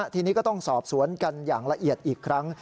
ทีนี้ก็ต้องสอบสวนกันอย่างละเอียดอีกครั้ง